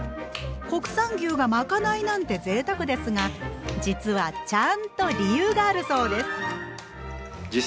国産牛がまかないなんてぜいたくですが実はちゃんと理由があるそうです。